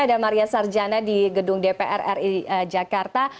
ada maria sarjana di gedung dpr ri jakarta